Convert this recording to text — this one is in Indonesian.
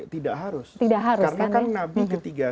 tidak harus karena kan nabi ketiga